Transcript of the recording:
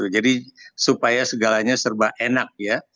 jadi supaya segalanya serba enak ya